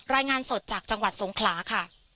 รายงานสดจากจังหวัดสงขลาค่ะ